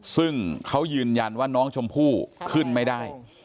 ซึ่งเขายืนยันว่าน้องชมพู่ขึ้นไม่ได้